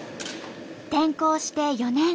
転校して４年。